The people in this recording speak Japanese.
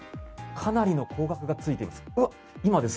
かなりの高額がついています。